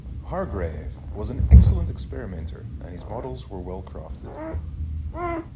Hargrave was an excellent experimenter and his models were well crafted.